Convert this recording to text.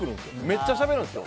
めっちゃしゃべるんです。